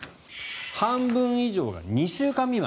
半分以上が２週間未満。